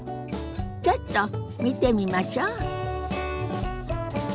ちょっと見てみましょ。